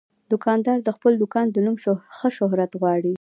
دوکاندار د خپل دوکان د نوم ښه شهرت غواړي.